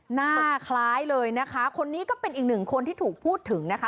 หน้าคล้ายเลยนะคะคนนี้ก็เป็นอีกหนึ่งคนที่ถูกพูดถึงนะคะ